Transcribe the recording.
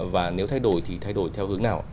và nếu thay đổi thì thay đổi theo hướng nào